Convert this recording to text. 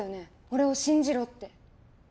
俺を信じろって。